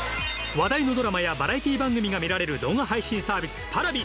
話題のドラマやバラエティー番組が見られる動画配信サービスＰａｒａｖｉ。